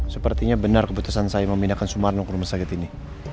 sepertinya benar keputusan saya memindahkan sumarno ke rumah sakit ini